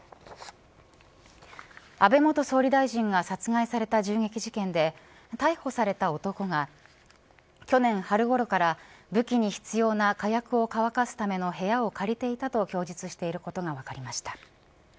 安倍元総理大臣が殺害された銃撃事件で逮捕された男が去年春ごろから武器に必要な火薬を乾かすための部屋を借りていたと供述していることが分かりました。